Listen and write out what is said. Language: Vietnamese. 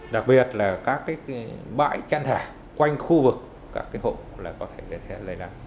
đặc biệt là các bãi chăn thả quanh khu vực các hộp có thể lây đăng